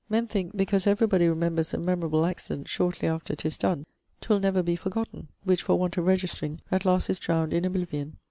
Men thinke, because every body remembers a memorable accident shortly after 'tis donne, 'twill never be forgotten, which for want of registring, at last is drowned in oblivion.